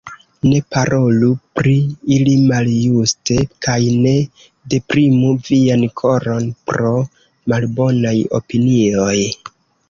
Ne parolu pri ili maljuste kaj ne deprimu vian koron pro malbonaj opinioj.